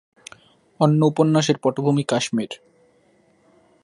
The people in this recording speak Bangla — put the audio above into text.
অন্য উপন্যাসের পটভূমি কাশ্মীর।